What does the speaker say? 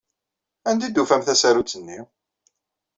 Anda ay d-tufam tasarut-nni?